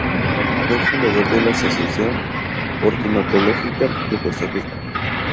Fue fundador de la Asociación Ornitológica de Costa Rica.